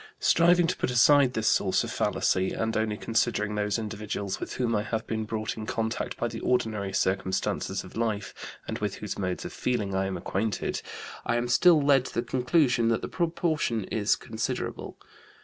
Striving to put aside this source of fallacy, and only considering those individuals with whom I have been brought in contact by the ordinary circumstances of life, and with whose modes of feeling I am acquainted, I am still led to the conclusion that the proportion is considerable.